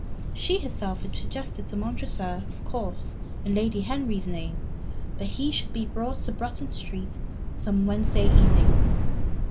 She herself had suggested to Montresor, of course in Lady Henry's name, that he should be brought to Bruton Street some Wednesday evening.